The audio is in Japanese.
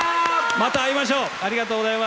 また会いましょう。